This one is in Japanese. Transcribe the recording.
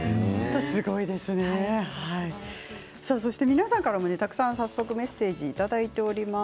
皆さんからも早速メッセージをいただいています。